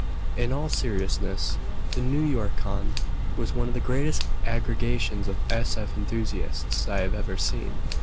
In all seriousness, the Newyorcon was one of the greatest aggregations of s.f. enthusiasts I have ever seen.